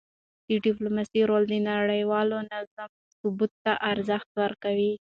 د ډیپلوماسی رول د نړیوال نظام ثبات ته ارزښت ورکوي.